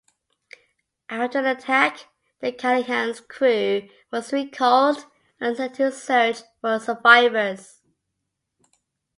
After the attack, the "Callaghan"s crew was recalled and sent to search for survivors.